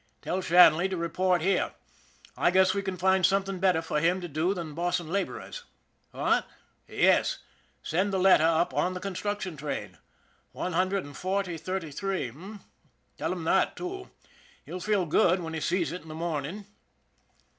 Tell Shanley to report here. I guess we can find something better for him to do than bossing laborers. What ? Yes, send the letter up on the construction train. One hundred and forty, thirty three, h'm? Tell him that, too. He'll feel good when he sees it in the morning."